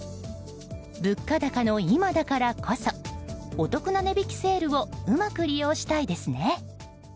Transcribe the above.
物価高の今だからこそお得な値引きセールをうまく利用したいですね。